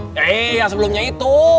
iya yang sebelumnya itu